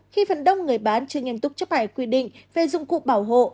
khi phần đông người bán chưa nghiêm túc chấp hành quy định về dụng cụ bảo hộ